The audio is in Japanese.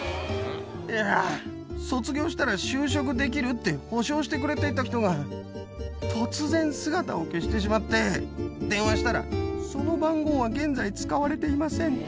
いやー、卒業したら就職できるって、保証してくれていた人が、突然姿を消してしまって、電話したら、その番号は現在使われていませんって。